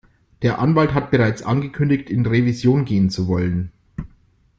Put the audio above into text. Der Anwalt hat bereits angekündigt, in Revision gehen zu wollen.